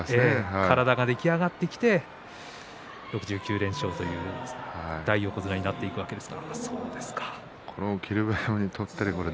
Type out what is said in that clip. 体は出来上がってきている６９連勝という大横綱になっていきました。